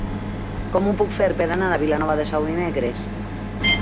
Com ho puc fer per anar a Vilanova de Sau dimecres?